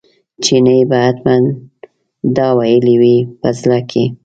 چیني به حتمي دا ویلي وي په زړه کې.